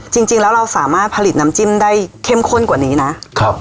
จริงแล้วเราสามารถผลิตน้ำจิ้มได้เข้มข้นกว่านี้นะครับ